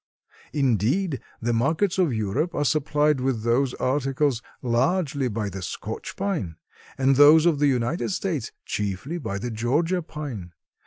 Indeed, the markets of Europe are supplied with those articles largely by the Scotch pine and those of the United States, chiefly by the Georgia pine.